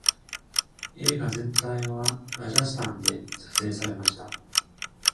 映画全体はラジャスタンで撮影されました。